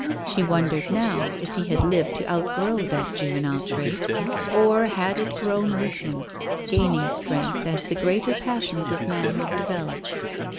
She wondered now if he had lived to outgrow that juvenile trait, or had it grown with him, gaining strength as the greater passions of manhood developed?